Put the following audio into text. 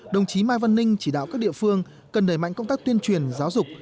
đồng chí mai văn ninh chỉ đạo các địa phương cần đẩy mạnh công tác tuyên truyền giáo dục